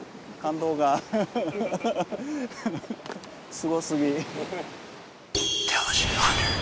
すごすぎ。